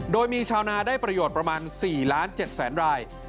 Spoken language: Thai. โดยมีชาวนาได้ประโยชน์ประมาณ๔๗๐๐ราย